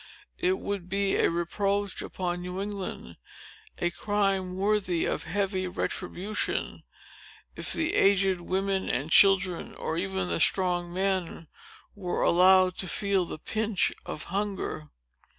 It would be a reproach upon New England—a crime worthy of heavy retribution—if the aged women and children, or even the strong men, were allowed to feel the pinch of hunger.